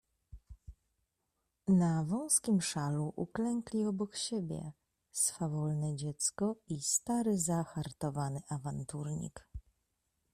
"Na wąskim szalu uklękli obok siebie swawolne dziecko i stary, zahartowany awanturnik."